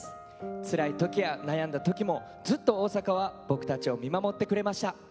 つらいときや悩んだときもずっと大阪は僕らを見守ってくれました。